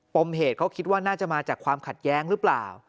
มเหตุเขาคิดว่าน่าจะมาจากความขัดแย้งหรือเปล่า